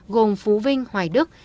gồm phú vinh hoài đức